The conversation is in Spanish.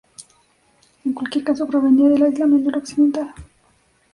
En cualquier caso, provenía del Asia Menor occidental.